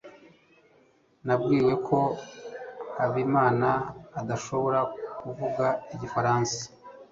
nabwiwe ko habimana adashobora kuvuga igifaransa